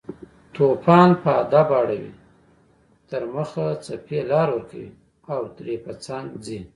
توپان په ادب اړوي تر مخه، څپې لار ورکوي او ترې په څنګ ځي